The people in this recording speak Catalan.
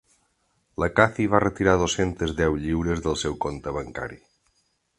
La Cathy va retirar dos-centes deu lliures del seu compte bancari